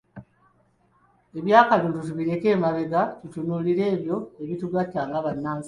Eby'akalulu tubiteeke emabega tutunuulire ebyo ebitugatta nga bannansi.